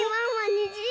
にじ！